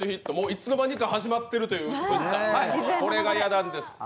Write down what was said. いつの間にか始まってるという、これがや団です。